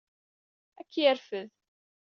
Ad k-yerfed.